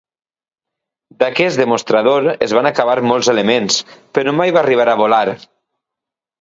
D'aquest demostrador es van acabar molts elements, però mai va arribar a volar.